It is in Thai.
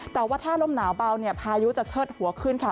แต่ว่าถ้าลมหนาวเบาเนี่ยพายุจะเชิดหัวขึ้นค่ะ